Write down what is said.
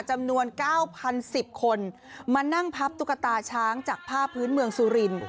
จำนวน๙๐๑๐คนมานั่งพับตุ๊กตาช้างจากผ้าพื้นเมืองสุริน